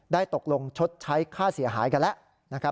ได้ตกลงชดใช้ค่าเสียหายกันแล้ว